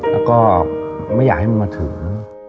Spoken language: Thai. แล้วก็ไม่อยากให้มันมาถึง